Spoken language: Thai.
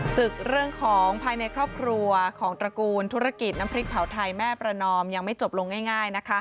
ศึกเรื่องของภายในครอบครัวของตระกูลธุรกิจน้ำพริกเผาไทยแม่ประนอมยังไม่จบลงง่าย